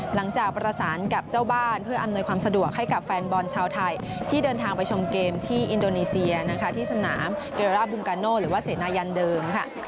หลังจากประสานกับเจ้าบ้านเพื่ออำนวยความสะดวกให้กับแฟนบอลชาวไทยที่เดินทางไปชมเกมที่อินโดนีเซียนะคะที่สนามเกราบุมกาโน่หรือว่าเสนายันเดิมค่ะ